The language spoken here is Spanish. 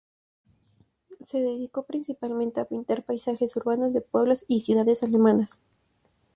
Se dedicó principalmente a pintar paisajes urbanos de pueblos y ciudades alemanas.